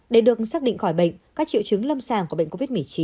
để được xác định khỏi bệnh các triệu chứng lâm sàng của bệnh covid một mươi chín